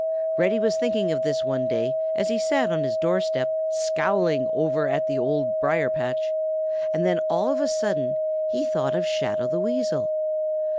Reddy was thinking of this one day as he sat on his door step, scowling over at the Old Briar patch, and then all of a sudden he thought of Shadow the Weasel.